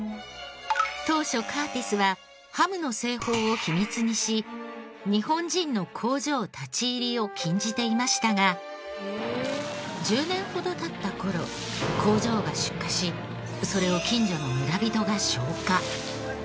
当初カーティスはハムの製法を秘密にし日本人の工場立ち入りを禁じていましたが１０年ほど経った頃工場が出火しそれを近所の村人が消火。